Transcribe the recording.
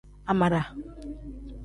Amara.